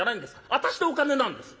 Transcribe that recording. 私のお金なんです。